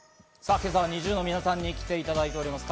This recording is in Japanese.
今朝はＮｉｚｉＵの皆さんに来ていただいております。